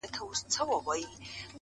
ژوند څه دی پيل يې پر تا دی او پر تا ختم-